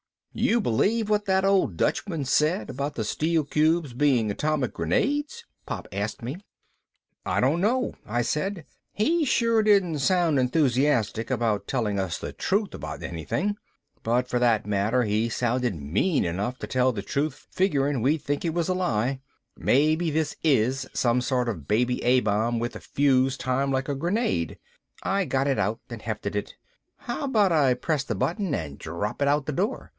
"You believe what that old Dutchman said about the steel cubes being atomic grenades?" Pop asked me. "I don't know," I said, "He sure didn't sound enthusiastic about telling us the truth about anything. But for that matter he sounded mean enough to tell the truth figuring we'd think it was a lie. Maybe this is some sort of baby A bomb with a fuse timed like a grenade." I got it out and hefted it. "How about I press the button and drop it out the door?